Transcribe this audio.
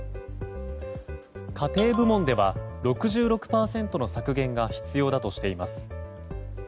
家庭部門では６６％の削減が必要だとしています。